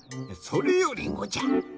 それよりもじゃ！